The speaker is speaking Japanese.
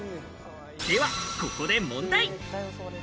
ではここで問題。